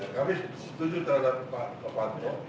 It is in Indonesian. jadi setuju terhadap pak pak panto